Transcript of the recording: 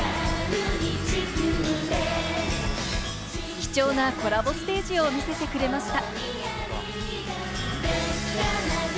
貴重なコラボステージを見せてくれました。